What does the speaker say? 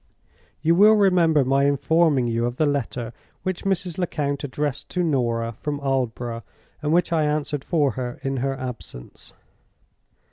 "You will remember my informing you of the letter which Mrs. Lecount addressed to Norah from Aldborough, and which I answered for her in her absence.